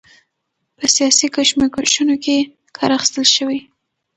په سیاسي کشمکشونو کې کار اخیستل شوی.